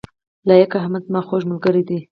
لائق احمد زما خوږ ملګری دی